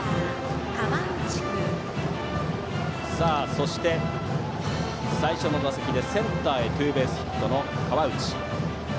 そして、最初の打席でセンターへツーベースヒットの河内。